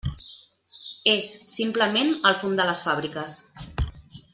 És, simplement, el fum de les fàbriques.